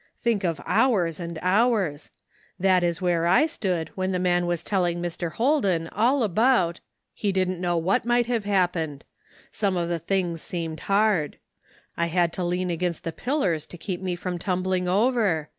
Think of hours and hours ! That is where I stood when the man was telling Mr. Holden all about — he didn't know what might have happened; some of the things seemed hard. I had to lean against the pillars to keep me from tumbling over.